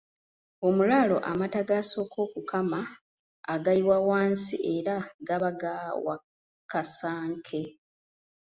Omulaalo amata g'asooka okukama agayiwa wansi era gaba ga wakasanke.